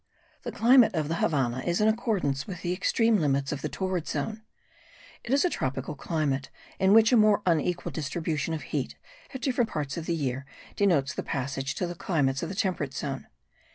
The climate of the Havannah is in accordance with the extreme limits of the torrid zone: it is a tropical climate, in which a more unequal distribution of heat at different parts of the year denotes the passage to the climates of the temperate zone.